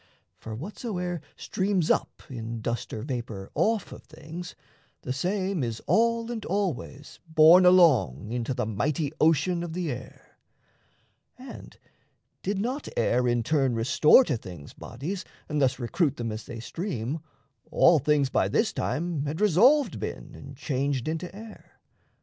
For whatso'er Streams up in dust or vapour off of things, The same is all and always borne along Into the mighty ocean of the air; And did not air in turn restore to things Bodies, and thus recruit them as they stream, All things by this time had resolved been And changed into air.